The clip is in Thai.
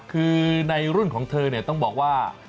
คือในรุ่นของเธอเนี่ยต้องบอกว่า